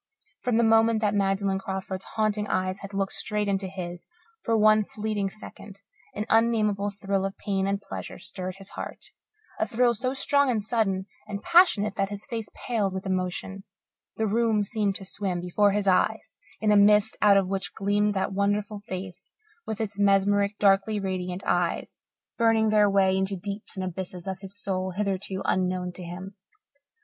From the moment that Magdalen Crawford's haunting eyes had looked straight into his for one fleeting second, an unnamable thrill of pain and pleasure stirred his heart, a thrill so strong and sudden and passionate that his face paled with emotion; the room seemed to swim before his eyes in a mist out of which gleamed that wonderful face with its mesmeric, darkly radiant eyes, burning their way into deeps and abysses of his soul hitherto unknown to him.